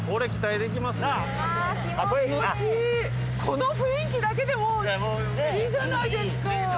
この雰囲気だけでもういいじゃないですか！